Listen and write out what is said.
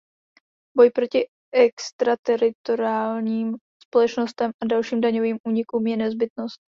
Boj proti extrateritoriálním společnostem a dalším daňovým únikům je nezbytnost.